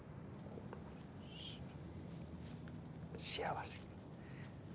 幸せ。